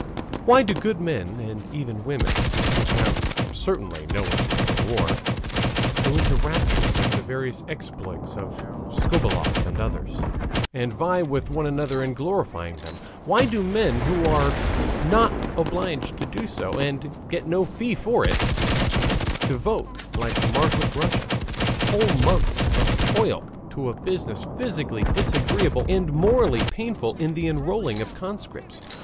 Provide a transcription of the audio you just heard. Why do good men and even women, who have certainly no interest in war, go into raptures over the various exploits of Skobeloff and others, and vie with one another in glorifying them? Why do men, who are not obliged to do so, and get no fee for it, devote, like the marshals of nobility in Russia, whole months of toil to a business physically disagreeable and morally painful the enrolling of conscripts?